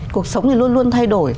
cuộc sống thì luôn luôn thay đổi